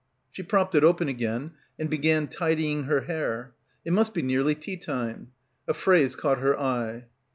She propped it open again and began tidying her hair. It must be nearly tea time. A phrase caught her eye.